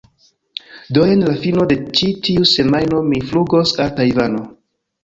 do jen la fino de ĉi tiu semajno mi flugos al Tajvano